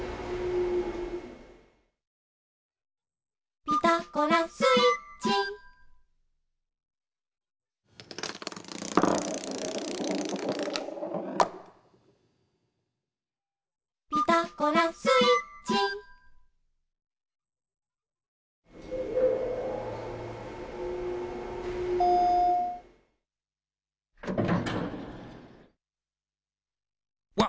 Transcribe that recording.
「ピタゴラスイッチ」「ピタゴラスイッチ」ポン。